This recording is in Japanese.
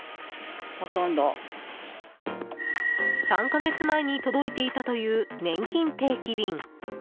３か月前に届いていたというねんきん定期便。